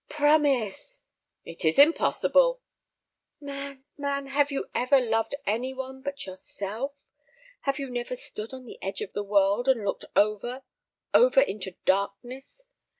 "Promise." "It is impossible." "Man, man, have you ever loved any one but yourself? Have you never stood on the edge of the world—and looked over—over into darkness?